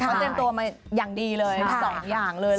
เขาเตรียมตัวมาอย่างดีเลย๒อย่างเลย